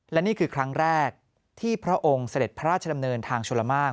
และนี่คือครั้งแรกที่พระองค์เสด็จพระราชดำเนินทางชลมาก